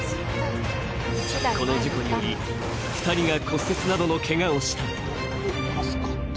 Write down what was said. この事故により、２人が骨折などのけがをした。